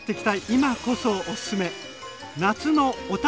今こそおすすめ！